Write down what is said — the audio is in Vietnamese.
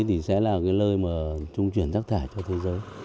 thì sẽ là lơi trung truyền rác thải cho thế giới